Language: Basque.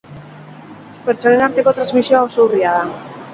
Pertsonen arteko transmisioa oso urria da.